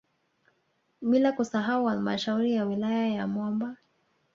Bila kusahau halmashauri ya wilaya ya Momba